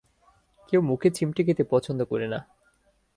কেউ মুখে চিমটি খেতে পছন্দ করে না।